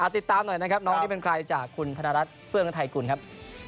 ติดตามหน่อยนะครับน้องนี่เป็นใครจากคุณธนรัฐเฟื่องไทยกุลครับ